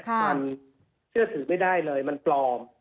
มันเชื่อถือไม่ได้เลยมันปลอม